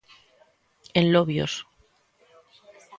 En Lobios.